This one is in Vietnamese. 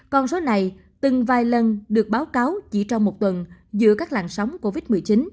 con số này từng vài lần được báo cáo chỉ trong một tuần giữa các làn sóng covid một mươi chín